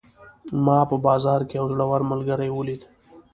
ما په بازار کې یو زوړ ملګری ولید